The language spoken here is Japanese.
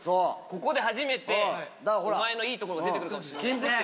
ここで初めてお前のいいとこが出て来るかもしれない。